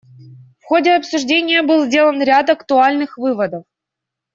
В ходе обсуждения был сделан ряд актуальных выводов.